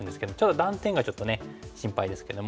ただ断点がちょっと心配ですけども。